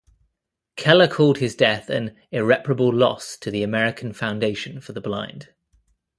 Keller called his death an "irreparable loss" to the American Foundation for the Blind.